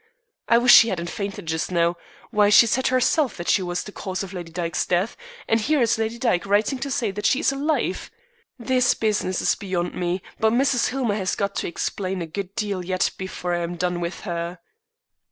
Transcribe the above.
I wish she hadn't fainted just now. Why, she said herself that she was the cause of Lady Dyke's death, and here is Lady Dyke writing to say she is alive. This business is beyond me, but Mrs. Hillmer has got to explain a good deal yet before I am done with her."